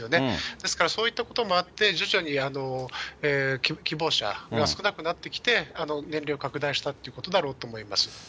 ですからそういったこともあって、徐々に希望者が少なくなってきて、年齢を拡大したっていうことだろうと思います。